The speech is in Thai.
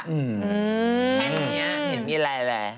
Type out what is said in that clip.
อืมแค่แบบนี้เห็นมีอะไรแหละ